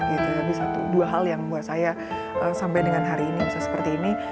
jadi satu dua hal yang buat saya sampai dengan hari ini bisa seperti ini